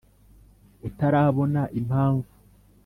utarabona impamvu